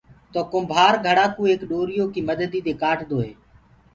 تو ڪُمڀآر گھڙآ ڪو ايڪ ڏوريو ڪيِ مددي دي ڪآٽدو هي۔